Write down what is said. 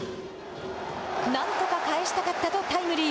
「なんとか帰したかった」とタイムリー。